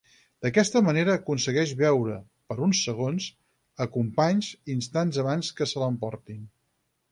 D’aquesta manera aconsegueix veure, per uns segons, a Companys instants abans que se l'emportin.